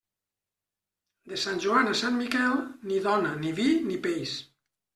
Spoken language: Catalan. De Sant Joan a Sant Miquel, ni dona, ni vi, ni peix.